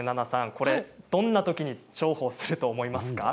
これはどんなときに重宝すると思いますか。